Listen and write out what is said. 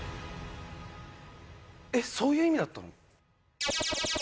「えっそういう意味だったの？」